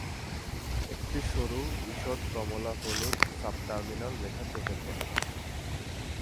একটি সরু ইষদ কমলা হলুদ সাবটার্মিনাল রেখা চোখে পড়ে।